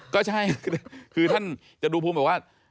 ก็ใช่คือท่านจะดูภูมิบอกว่า